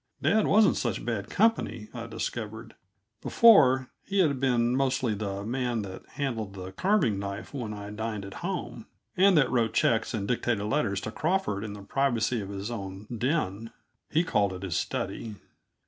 Dad wasn't such bad company, I discovered. Before, he had been mostly the man that handled the carving knife when I dined at home, and that wrote checks and dictated letters to Crawford in the privacy of his own den he called it his study.